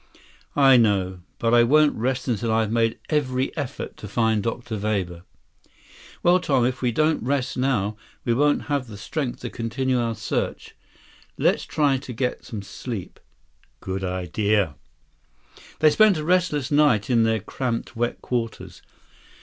"I know. But I won't rest until I've made every effort to find Dr. Weber." "Well, Tom, if we don't rest now, we won't have the strength to continue our search. Let's try to get some sleep." "Good idea." They spent a restless night in their cramped, wet quarters.